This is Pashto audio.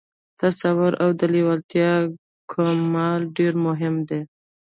تصور او د لېوالتیا کمال ډېر مهم دي